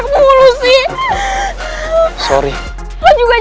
kau ng protestersan perempuan